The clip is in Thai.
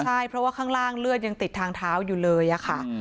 ใช่เพราะว่าข้างล่างเลือดยังติดทางเท้าอยู่เลยค่ะ